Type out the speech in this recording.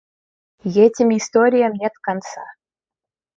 И этим историям нет конца.